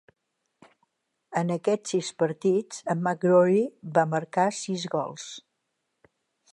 En aquests sis partits, en McGrory va marcar sis gols.